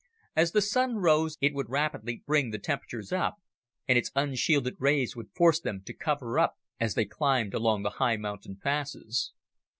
As the Sun rose, it would rapidly bring the temperatures up, and its unshielded rays would force them to cover up as they climbed along the high mountain passes.